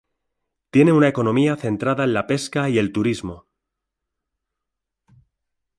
Tiene una economía centrada en la pesca y el turismo.